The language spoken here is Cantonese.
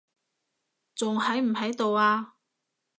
仲喺唔喺度啊？